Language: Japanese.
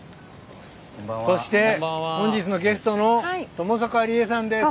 そして、本日のゲストのともさかりえさんです。